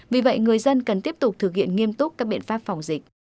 vì vậy người dân cần tiếp tục thực hiện nghiêm túc các biện pháp phòng dịch